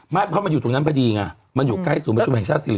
ไม่เพราะมันอยู่ตรงนั้นพอดีไงมันอยู่ใกล้ศูนย์ประชุมแห่งชาติศิริ